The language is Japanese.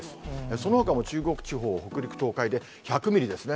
そのほかも中国地方、北陸、東海で１００ミリですね。